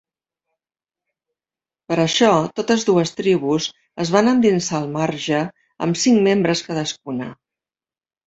Per això, totes dues tribus es van endinsar al marge amb cinc membres cadascuna.